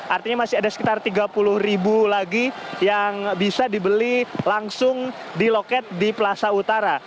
artinya masih ada sekitar tiga puluh ribu lagi yang bisa dibeli langsung di loket di plaza utara